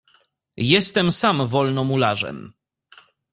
"Jestem sam Wolnomularzem."